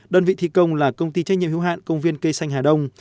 đơn vị thi công là công ty trách nhiệm hữu hạn công viên cây xanh hà đông